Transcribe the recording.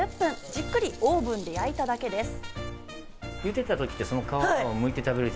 じっくりオーブンで焼いただけです。